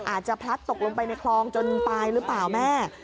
พลัดตกลงไปในคลองจนตายหรือเปล่าแม่